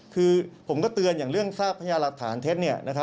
คือผมก็เตือนอย่างเรื่องทราบพยาหลักฐานเท็จ